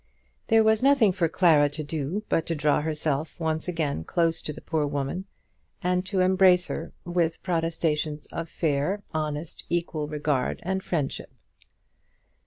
There was nothing for Clara to do but to draw herself once again close to the poor woman, and to embrace her with protestations of fair, honest, equal regard and friendship.